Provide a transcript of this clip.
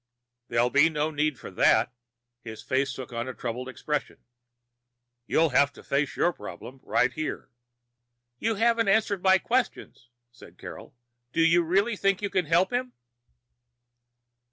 "There'll be no need for that." His face took on a troubled expression. "You'll have to face your problem right here." "You haven't answered my question," said Carol. "Do you really think you can help him?"